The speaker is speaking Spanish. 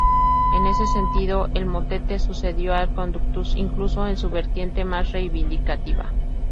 En ese sentido, el motete sucedió al "conductus", incluso en su vertiente más reivindicativa.